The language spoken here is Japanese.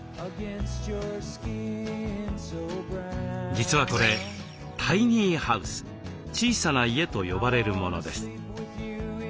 実はこれタイニーハウス小さな家と呼ばれるものです。